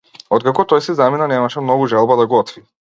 Откако тој си замина, немаше многу желба да готви.